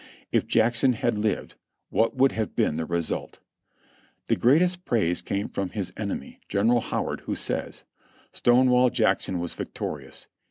If Jackson had lived, what would have been the result !" The greatest praise came from his enemy, General Howard, who says: "Stonewall Jackson was victorious.